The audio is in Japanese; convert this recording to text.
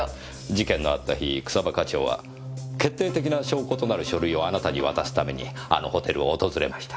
事件のあった日草葉課長は決定的な証拠となる書類をあなたに渡すためにあのホテルを訪れました。